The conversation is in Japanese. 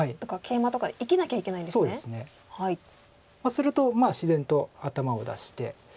すると自然と頭を出して。